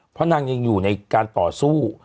เพราะนางยังอยู่ในการต่อสู้